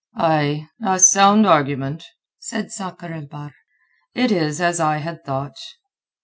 "Ay—a sound argument," said Sakr el Bahr. "It is as I had thought."